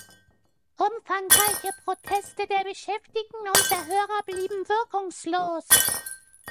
Umfangreiche Proteste der Beschäftigten und der Hörer blieben wirkungslos.